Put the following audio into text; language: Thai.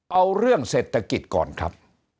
เอาเรื่องเศรษฐกิจก่อนครับ